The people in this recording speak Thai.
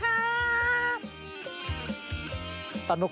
สีสันข่าวชาวไทยรัฐมาแล้วครับ